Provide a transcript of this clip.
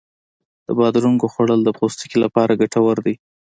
د بادرنګو خوړل د پوستکي لپاره ګټور دی.